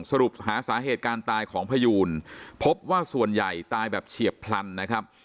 สรุปหาสาเหตุการตายของพยูนพบว่าส่วนใหญ่ตายแบบเฉียบพลันนะครับ